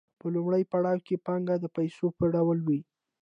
په لومړي پړاو کې پانګه د پیسو په ډول وه